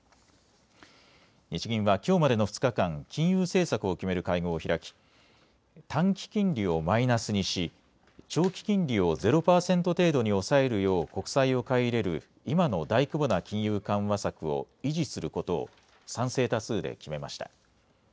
日銀はきょうまでの２日間、金融政策を決める会合を開き短期金利をマイナスにし長期金利をゼロ％程度に抑えるよう国債を買い入れる今の大規模な金融緩和策を維持することを賛成多数で決めました。